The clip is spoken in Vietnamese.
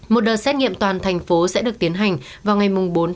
một đợt xét nghiệm toàn thành phố sẽ được tiến hành vào ngày bốn bốn